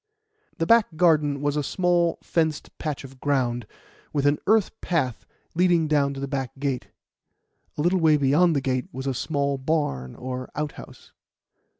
The back garden was a small, fenced patch of ground, with an earth path leading down to the back gate. A little way beyond the gate was a small barn or outhouse.